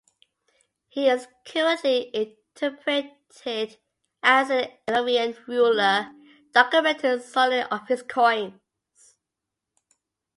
He is currently interpreted as an Illyrian ruler documented solely of his coins.